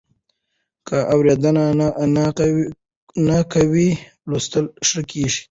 که اورېدنه قوي وي، لوستل ښه کېږي.